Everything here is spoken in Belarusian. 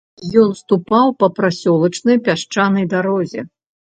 Ён ступаў па прасёлачнай пясчанай дарозе.